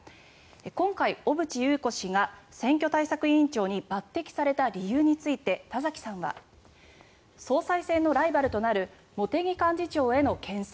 今回、小渕優子氏が選挙対策委員長に抜てきされた理由について田崎さんは総裁選のライバルとなる茂木幹事長へのけん制。